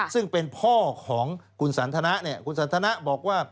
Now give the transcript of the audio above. ซึ่งเป็นพ่อของคุณสันทนะคุณสันทนะบอกว่า